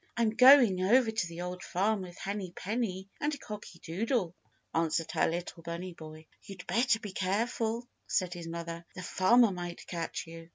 "I'm going over to the Old Farm with Henny Penny and Cocky Doodle," answered her little bunny boy. "You'd better be careful," said his mother, "the farmer might catch you."